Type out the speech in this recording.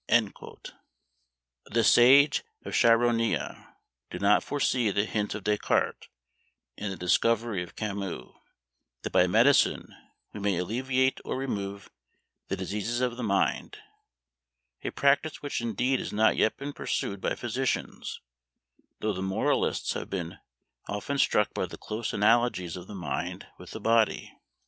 The sage of CheronÃḊa did not foresee the hint of Descartes and the discovery of Camus, that by medicine we may alleviate or remove the diseases of the mind; a practice which indeed has not yet been pursued by physicians, though the moralists have been often struck by the close analogies of the MIND with the BODY!